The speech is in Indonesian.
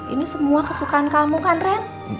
ini semua kesukaan kamu kan ren